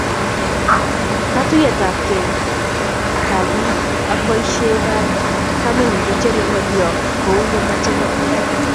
Katuyekab biik ab boisie eng komayay kocheru ng'olion ko uu yemoche ngatutik.